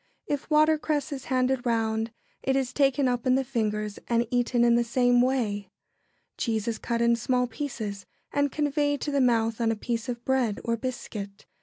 If watercress is handed round, it is taken up in the fingers and eaten in the same way. Cheese is cut in small pieces and conveyed to the mouth on a piece of bread or biscuit.